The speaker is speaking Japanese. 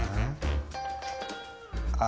あ。